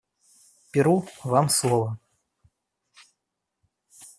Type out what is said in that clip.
Перу, вам слово.